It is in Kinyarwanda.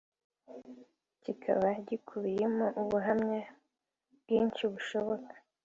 kikaba gikubiyemo ubuhamya bwinshi bushoboka